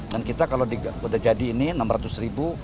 dan kita kalau sudah jadi ini enam ratus ribu